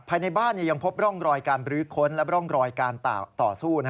ภายในบ้านยังพบร่องรอยการบรื้อค้นและร่องรอยการต่อสู้